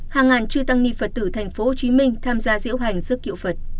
hàng ngàn chư tăng nghi phật tử tp hcm tham gia diễu hành giấc kiệu phật